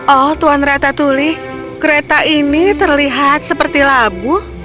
oh tuan ratatuli kereta ini terlihat seperti labu